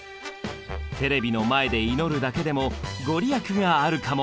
テレビの前で祈るだけでもご利益があるかも。